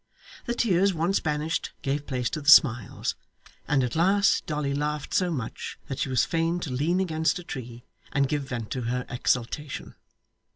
The tears once banished gave place to the smiles, and at last Dolly laughed so much that she was fain to lean against a tree, and give vent to her exultation.